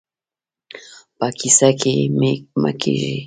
په کيسه کې يې مه کېږئ.